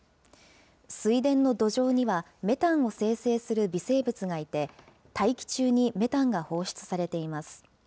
水田の土壌にはメタンを生成する微生物がいて、大気中にメタンが放出されています。